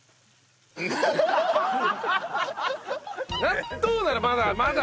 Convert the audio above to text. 納豆ならまだまだ。